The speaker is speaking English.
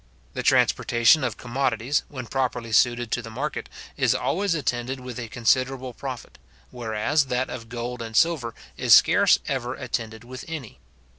The transportation of commodities, when properly suited to the market, is always attended with a considerable profit; whereas that of gold and silver is scarce ever attended with any.